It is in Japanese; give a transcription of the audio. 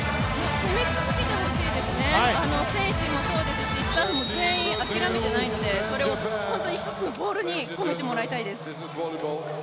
攻め続けてほしいですね、選手もそうですしスタッフも全員諦めていないのでそれを一つのボールに込めてもらいたいです。